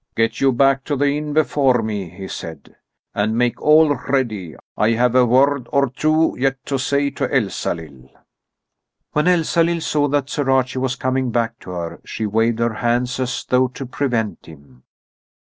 "Get you back to the inn before me," he said, "and make all ready. I have a word or two yet to say to Elsalill." When Elsalill saw that Sir Archie was coming back to her, she waved her hands as though to prevent him.